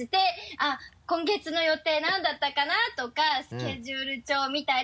「あっ今月の予定何だったかな？」とかスケジュール帳見たり。